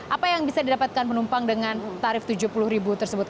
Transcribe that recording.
apa yang bisa didapatkan penumpang dengan tarif tujuh puluh ribu tersebut